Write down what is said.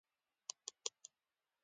لیکولان او شاعران